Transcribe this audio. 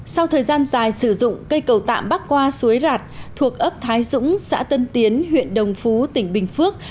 sau thời gian dài sử dụng cây cầu tạm bắc qua suối rạt thuộc ấp thái dũng xã tân tiến huyện đồng phú tỉnh bình phước